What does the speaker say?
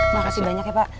makasih banyak ya pak